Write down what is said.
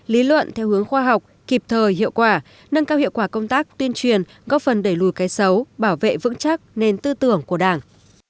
lý luận theo hướng khoa học kịp thời hiệu quả nâng cao hiệu quả công tác tuyên truyền góp phần đẩy lùi cái xấu bảo vệ vững chắc nền tư tưởng của đảng